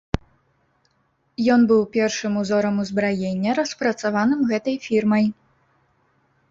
Ён быў першым узорам узбраення, распрацаваным гэтай фірмай.